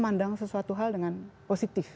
memandang sesuatu hal dengan positif